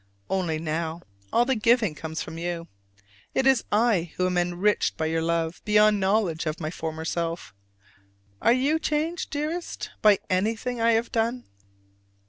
Only now all the giving comes from you. It is I who am enriched by your love, beyond knowledge of my former self. Are you changed, dearest, by anything I have done?